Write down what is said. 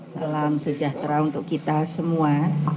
salam sejahtera untuk kita semua